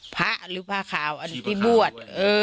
พระหรือผ้าขาวอันที่บวช